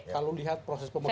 kalau lihat proses pemerintahan